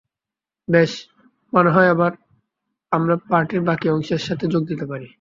বেশ, মনে হয় এবার আমরা পার্টির বাকি অংশের সাথে যোগ দিতে পারি।